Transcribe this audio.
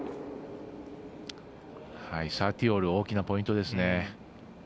３０−３０大きなポイントですね。